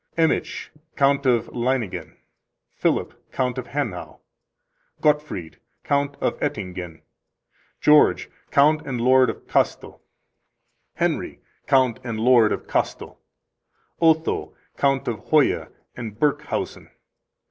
Emich, Count of Leiningen. Philip, Count of Hanau. Gottfried, Count of Oettingen. George, Count and Lord in Castel. Henry, Count and Lord in Castel. Otho, Count of Hoya and Burgkhausen.